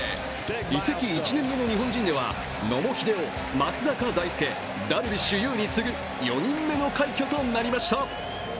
移籍１年目の日本人では野茂英雄、松坂大輔、ダルビッシュ有に次ぐ４人目の快挙となりました。